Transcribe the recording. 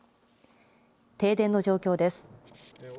停電の状況です。